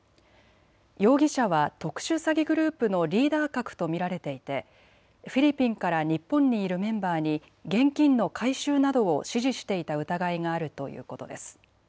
容疑者は特殊詐欺グループのリーダー格と見られていてフィリピンから日本にいるメンバーに現金の回収などを指示していた疑いがあるということです。